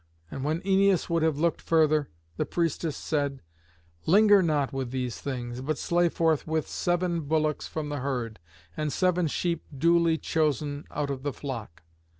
And when Æneas would have looked further, the priestess said, "Linger not with these things, but slay forthwith seven bullocks from the herd, and seven sheep duly chosen out of the flock."